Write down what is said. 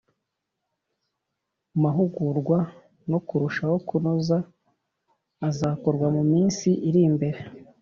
mahugurwa no kurushaho kunoza azakorwa mu minsi iri imbere